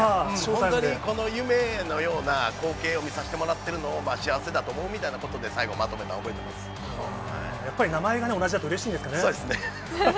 本当にこの夢のような光景を見さしてもらってるのを、幸せだと思うみたいなことで、最後、やっぱり名前が同じだと、そうですね。